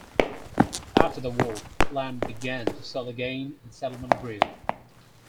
After the war land began to sell again and settlement grew.